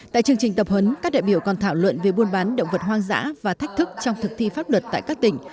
tại chương trình tập huấn các đại biểu còn thảo luận về buôn bán động vật hoang dã và thách thức trong thực thi pháp luật tại các tỉnh